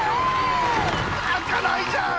開かないじゃん！